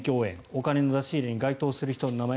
お金の出し入れに該当する人の名前